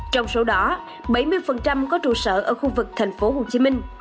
trong số đó bảy mươi có trụ sở ở khu vực tp hcm